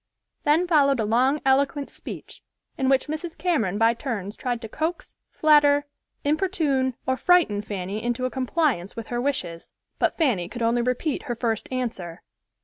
Then followed a long, eloquent speech, in which Mrs. Cameron by turns tried to coax, flatter, importune, or frighten Fanny into a compliance with her wishes, but Fanny could only repeat her first answer.